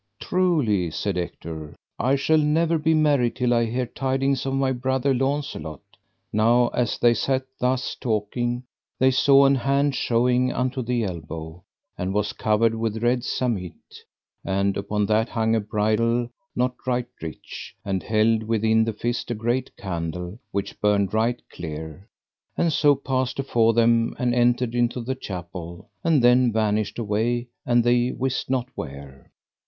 Truly, said Ector, I shall never be merry till I hear tidings of my brother Launcelot. Now as they sat thus talking they saw an hand showing unto the elbow, and was covered with red samite, and upon that hung a bridle not right rich, and held within the fist a great candle which burned right clear, and so passed afore them, and entered into the chapel, and then vanished away and they wist not where.